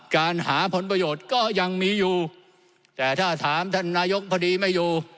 การหาผลประโยชน์ก็ยังมีอยู่แต่ถ้าถามท่านนายกพอดีไม่อยู่